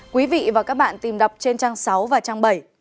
quý vị và các bạn tìm đọc trên trang sáu và trang bảy